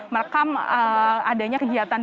merekam adanya kegiatan